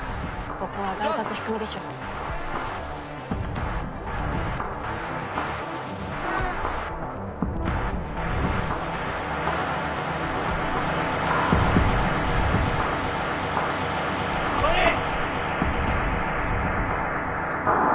ここは外角低めでしょうトミー！